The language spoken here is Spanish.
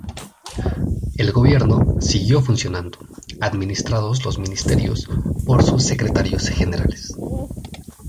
El gobierno siguió funcionando, administrados los ministerios por sus secretarios generales.